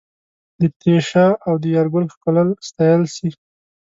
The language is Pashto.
د تېشه او د یارګل ښکلل ستایل سي